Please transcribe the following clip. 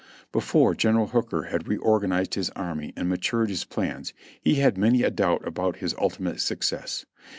Before General Hooker had reorganized his army and matured his plans he had many a doubt about his ultimate success.